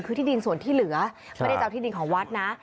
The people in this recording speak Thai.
คือที่ดินส่วนที่เหลือไม่ได้จะเอาที่ดินของวัดนะ